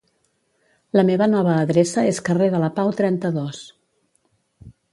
La meva nova adreça és carrer de la Pau trenta-dos.